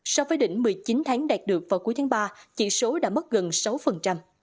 so với đỉnh một mươi chín tháng đạt được vào cuối tháng ba chỉ số đã mất gần sáu